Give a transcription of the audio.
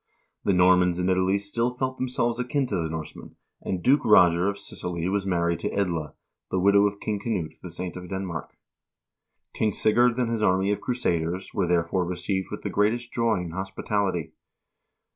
The Normans in Italy still felt themselves akin to the Norsemen, and Duke Roger of Sicily was married to Edla, the widow of King Knut the Saint of Denmark. King Sigurd and his army of crusaders were, therefore, received with the greatest joy and hospitality.